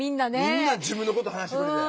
みんな自分のこと話してくれて。